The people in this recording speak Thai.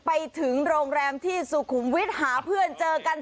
ไปถึงโรงแรมที่สุขุมวิทย์หาเพื่อนเจอกัน